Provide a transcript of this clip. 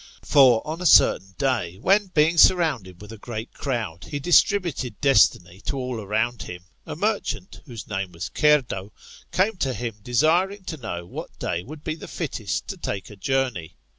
For, on a certain day, when, being surrounded with a great crowd, he distributed destiny to all around him ; a merchant, whose name was Cerdo, came to him, desiring to know what day would be the fittest to take a journey.